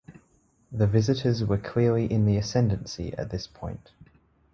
The visitors were clearly in the ascendancy at this point.